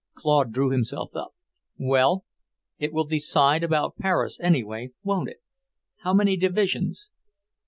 Claude drew himself up. "Well, it will decide about Paris, anyway, won't it? How many divisions?"